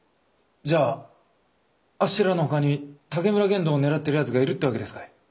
じゃあっしらの他に竹村玄洞を狙ってる奴がいるって訳ですかい？